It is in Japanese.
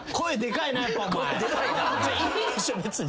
いいでしょ別に。